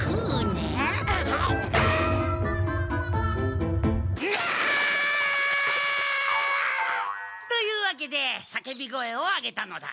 ぎゃっ！というわけでさけび声を上げたのだ。